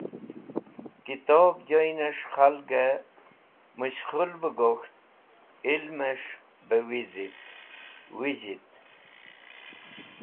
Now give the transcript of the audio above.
Kitob joynẽs̃h khalgẽ mẽshkhul bẽ gok̃ht ilmẽs̃h be vẽzhit.